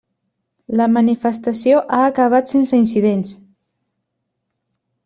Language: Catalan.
La manifestació ha acabat sense incidents.